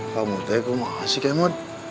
kamu tuh kumaksih kamu